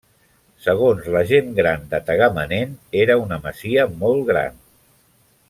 Segons la gent gran de Tagamanent, era una masia molt gran.